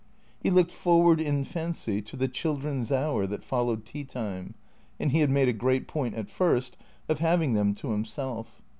He looked for ward, in fancy, to the children's hour that followed tea time, and he had made a great point at first of having them to himself.